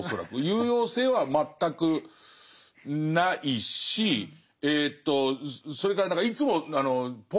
有用性は全くないしえとそれから何かいつもポカをする。